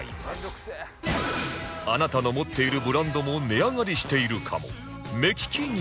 あなたの持っているブランドも値上がりしているかも